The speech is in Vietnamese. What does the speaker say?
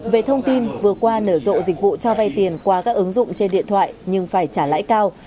về thông tin vừa qua nở rộ dịch vụ cho vay tiền qua các ứng dụng trên điện thoại nhưng phải trả lãi cao